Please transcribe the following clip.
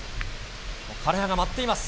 枯葉が舞っています。